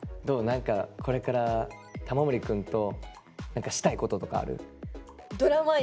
何かこれから玉森くんと何かしたいこととかある？